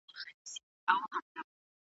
دا دروازه سمه وتړه چي باد ننوځي.